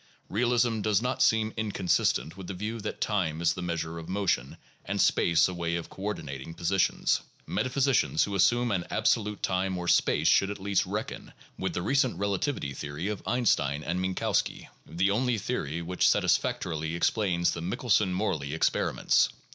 Realism does not seem inconsistent with the view that time is the measure of motion, and space a way of coordinating positions. Meta physicians who assume an absolute time or space should at least reckon with the recent relativity theory of Einstein and Minkowski — PSYCHOLOGY AND SCIENTIFIC METHODS 211 the only theory which satisfactorily explains the Michaelson Morley experiments.